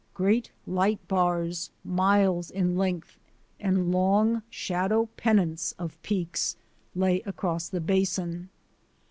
Great light bars, miles in length, and long shadow pennants of peaks lay across the basin.